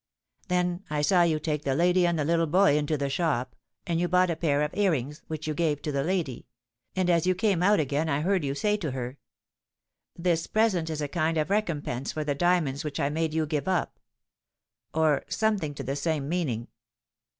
"Then I saw you take the lady and the little boy into the shop, and you bought a pair of ear rings, which you gave to the lady; and as you came out again, I heard you say to her, 'This present is a kind of recompense for the diamonds which I made you give up,'—or something to the same meaning."